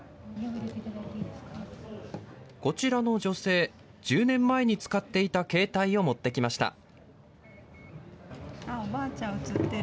こちらの女性、１０年前に使っていた携帯を持ってきました。